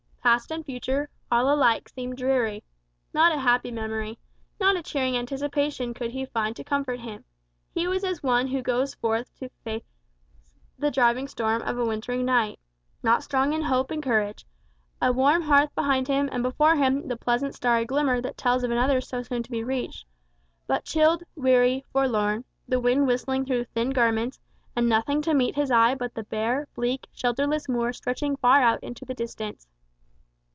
Past and future all alike seemed dreary. Not a happy memory, not a cheering anticipation could he find to comfort him. He was as one who goes forth to face the driving storm of a wintry night: not strong in hope and courage a warm hearth behind him, and before him the pleasant starry glimmer that tells of another soon to be reached but chilled, weary, forlorn, the wind whistling through thin garments, and nothing to meet his eye but the bare, bleak, shelterless moor stretching far out into the distance.